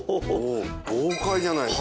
豪快じゃないですか。